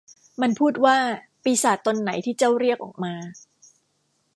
มันพูดว่า ปีศาจตนไหนที่เจ้าเรียกออกมา